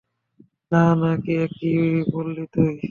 না, না, এ কী বললি তুই?